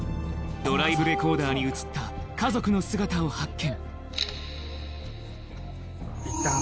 ドライブレコーダーに映った家族の姿を発見